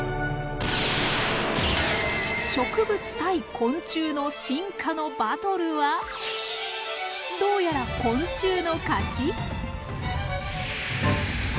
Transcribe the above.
植物対昆虫の進化のバトルはどうやら昆虫の勝ち？